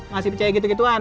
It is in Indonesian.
masih percaya gitu gituan